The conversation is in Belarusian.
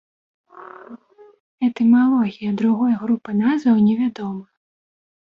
Этымалогія другой групы назваў невядома.